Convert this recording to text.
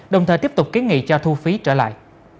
đồng thời tiếp tục kiến nghị cho thu phí trở lại